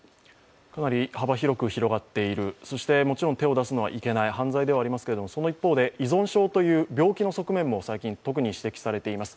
幅広く広がっている、そしてもちろん手を出すのはいけない、犯罪ではありますけれども、依存症という病気の側面も最近、特に指摘されています。